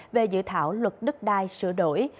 về dự thảo luật đức đai sửa đổi